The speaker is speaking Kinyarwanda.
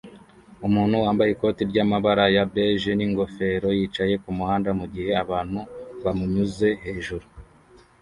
Umuntu wambaye ikoti ryamabara ya beige n'ingofero yicaye kumuhanda mugihe abantu bamunyuze hejuru